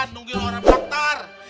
nunggil orang faktor